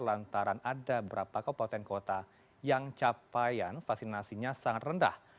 lantaran ada beberapa kabupaten kota yang capaian vaksinasinya sangat rendah